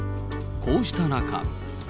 こうした中。